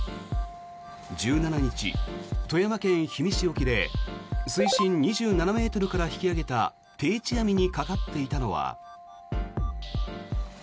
１７日、富山県氷見市沖で水深２７ｍから引き揚げた定置網にかかっていたのは。